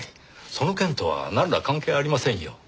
その件とはなんら関係ありませんよ。